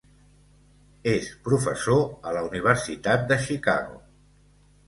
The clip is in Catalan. És professor a la Universitat de Chicago.